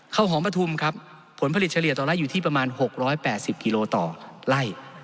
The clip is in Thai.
ข้าวหอมปฐุมครับผลผลิตเฉลี่ยต่อไล่อยู่ที่ประมาณ๖๘๐กิโลต่อไล่